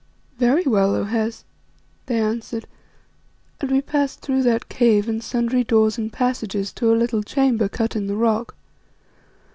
"Very well, O Hes," they answered; and we passed through that cave and sundry doors and passages to a little chamber cut in the rock.